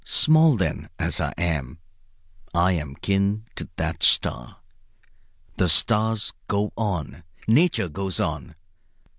Small then, as I am, I am kin to that star. The stars go on. Nature goes on.